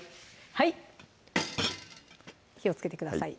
はい火をつけてください